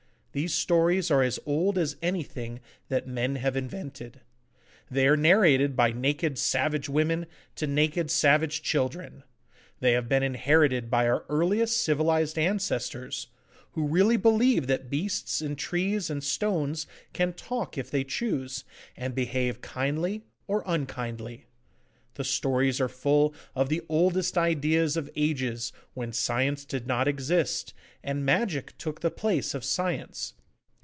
These stories are as old as anything that men have invented. They are narrated by naked savage women to naked savage children. They have been inherited by our earliest civilised ancestors, who really believed that beasts and trees and stones can talk if they choose, and behave kindly or unkindly. The stories are full of the oldest ideas of ages when science did not exist, and magic took the place of science.